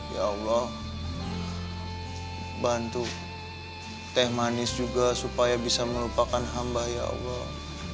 ya allah bantu teh manis juga supaya bisa melupakan hamba ya allah